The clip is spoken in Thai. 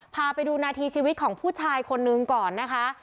พาไปดูนาทีชีวิตของผู้ชายคนนึงก่อนนะคะ